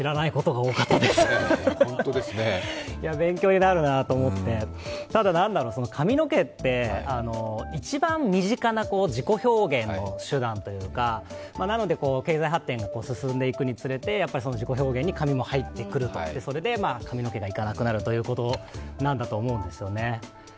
勉強になるなと思って、ただ、髪の毛って、一番身近な自己表現の手段というか、なので経済発展が進んでいくにつれて、自己表現に髪も入ってくると、それで髪の毛が行かなくなるということなんだと思うんですよね。